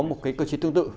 một cơ chế tương tự